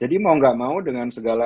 jadi mau gak mau dengan segala